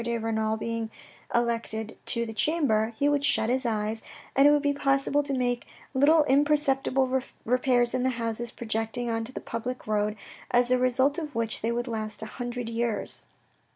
de Renal being elected to the chamber, he would shut his eyes, and it would be possible to make little imperceptible repairs in the houses projecting on to the public road, as the result of which they would last a hundred years.